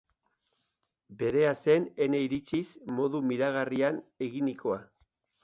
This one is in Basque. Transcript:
Berea zen, ene iritziz, modu miragarrian eginikoa.